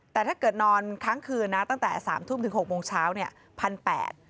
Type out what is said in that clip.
แต่ถ้าเกิดนอนค้างคืนนะตั้งแต่๓ทุ่มถึง๖โมงเช้า๑๘๐๐บาท